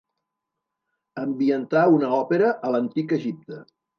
Ambientar una òpera a l'antic Egipte.